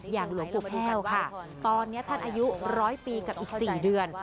หลวงปู่แพ่วค่ะตอนนี้ท่านอายุร้อยปีกับอีก๔เดือน